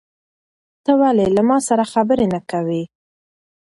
ته ولې له ما سره خبرې نه کوې؟